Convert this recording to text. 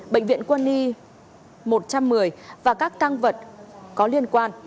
bệnh viện quân y một trăm một mươi và các tăng vật có liên quan